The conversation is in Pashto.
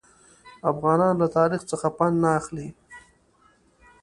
افغانان له تاریخ څخه پند نه اخلي.